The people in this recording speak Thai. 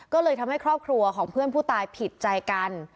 ก็เลยทำให้ครอบครัวของเพื่อนผู้ตายผิดใจกัน